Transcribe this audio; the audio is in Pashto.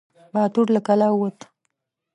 باتور له کلا ووت.